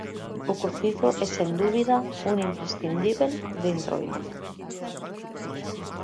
O cocido é sen dubida un imprescindíbel de entroido.